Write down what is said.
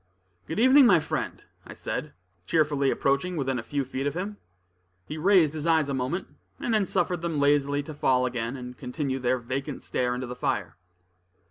"Good evening, my friend," I said, cheerfully, approaching within a few feet of him. He raised his eyes a moment, and then suffered them lazily to fall again, and continue their vacant stare into the fire.